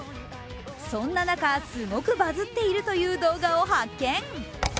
そんな中、すごくバズっているという動画を発見。